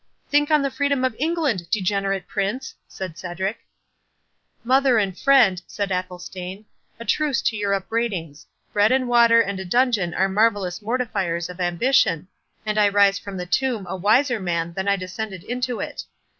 "Think on the freedom of England, degenerate Prince!" said Cedric. "Mother and friend," said Athelstane, "a truce to your upbraidings—bread and water and a dungeon are marvellous mortifiers of ambition, and I rise from the tomb a wiser man than I descended into it.